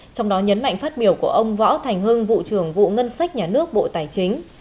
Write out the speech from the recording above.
trong đó nhấn mạnh phát biểu của ông võ thành hưng vụ trưởng vụ ngân sách nhà nước bộ tài chính